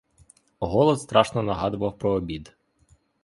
Голод страшно нагадував про обід.